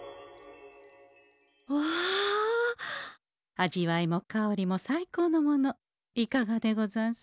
味わいも香りも最高のものいかがでござんす？